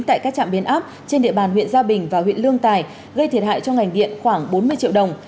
tại các trạm biến áp trên địa bàn huyện gia bình và huyện lương tài gây thiệt hại cho ngành điện khoảng bốn mươi triệu đồng